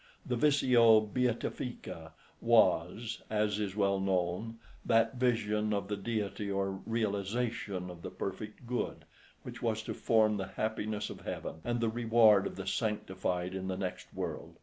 The Visio Beatifica was, as is well known, that vision of the Deity or realisation of the perfect Good which was to form the happiness of heaven, and the reward of the sanctified in the next world.